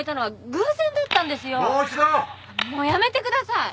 もうやめてください！